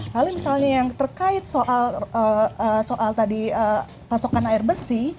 lalu misalnya yang terkait soal tadi pasokan air bersih